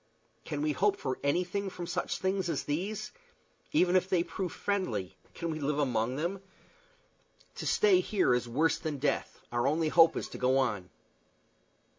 Can we hope for anything from such things as these? Even if they prove friendly, can we live among them? To stay here is worse than death; our only hope is to go on."